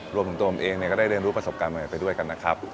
รวมถึงตัวผมเองก็ได้เรียนรู้ประสบการณ์ใหม่ไปด้วยกันนะครับ